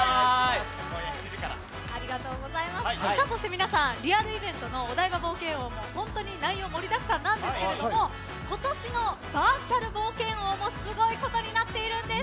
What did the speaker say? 皆さん、リアルイベントのお台場冒険王も本当に内容盛りだくさんなんですが今年のバーチャル冒険王もすごいことになっているんです。